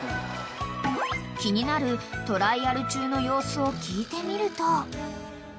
［気になるトライアル中の様子を聞いてみると］